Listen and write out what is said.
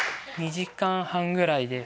２時間半ぐらいで。